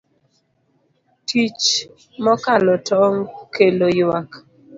Tich mokalo tong' kelo ywak.